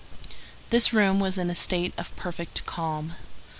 This room was in a state of perfect calm.